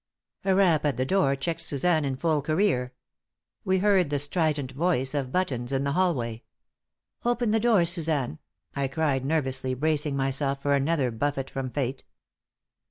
A rap at the door checked Suzanne in full career. We heard the strident voice of Buttons in the hallway. "Open the door, Suzanne," I cried, nervously, bracing myself for another buffet from fate.